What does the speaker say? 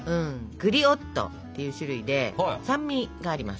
グリオットっていう種類で酸味があります。